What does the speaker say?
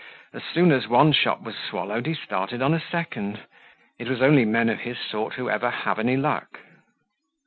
As soon as one shop was swallowed, he started on a second. It was only men of his sort who ever have any luck.